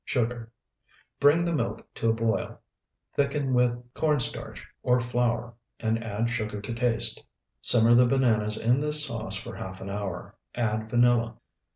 Sugar. Bring the milk to a boil, thicken with corn starch or flour, and add sugar to taste. Simmer the bananas in this sauce for half an hour. Add vanilla.